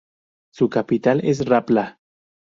Su capital es Rapla.